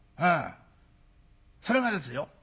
それがですよ